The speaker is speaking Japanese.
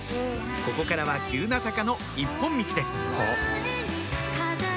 ここからは急な坂の一本道です